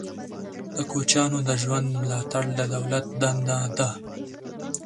د کوچیانو د ژوند ملاتړ د دولت دنده ده.